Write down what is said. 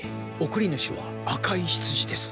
送り主は赤いヒツジです。